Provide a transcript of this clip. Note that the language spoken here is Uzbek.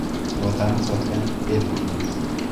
Vatanni sotgan er bo'lmas.